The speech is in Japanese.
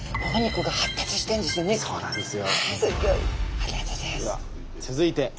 ありがとうございます。